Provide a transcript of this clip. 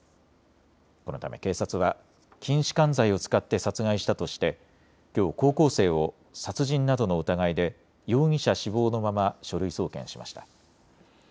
このため警察は筋し緩剤を使って殺害したとして、きょう高校生を殺人などの疑いで容疑者死亡のまま書類送検しました。